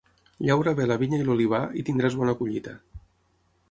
Llaura bé la vinya i l'olivar i tindràs bona collita.